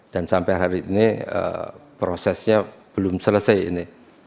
dan sampai hari ini prosesnya belum selesai ini